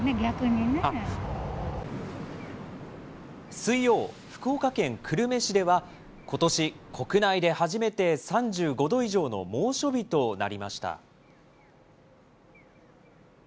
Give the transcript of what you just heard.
水曜、福岡県久留米市では、ことし、国内で初めて３５度以上の猛暑日となりました。